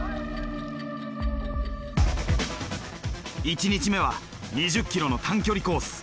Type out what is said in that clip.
１日目は２０ｋｍの短距離コース。